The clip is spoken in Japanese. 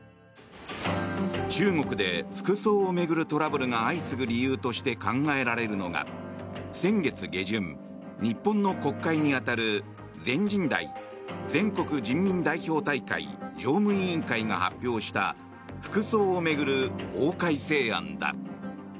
中国で服装を巡るトラブルが相次ぐ理由として考えられるのが先月下旬、日本の国会に当たる全人代・全国人民代表大会常務委員会が発表した服装を巡る法改正案だ。